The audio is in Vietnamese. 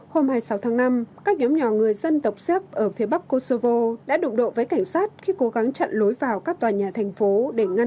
hôm hai mươi sáu tháng năm các nhóm nhỏ người dân tộc shekp ở phía bắc kosovo đã đụng độ với cảnh sát khi cố gắng chặn lối vào các tòa nhà